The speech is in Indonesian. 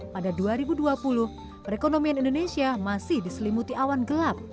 pada dua ribu dua puluh perekonomian indonesia masih diselimuti awan gelap